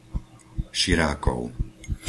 Širákov